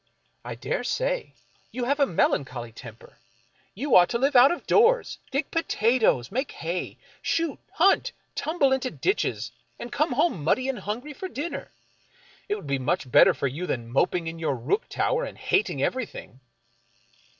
" I dare say. You have a melancholv temper. You ought 36 F. Marion Crawford to live out of doors, dig potatoes, make hay, shoot, hunt, tumble into ditches, and come home muddy and hungry for dinner. It would be much better for you than moping in your rook tower and hating everything."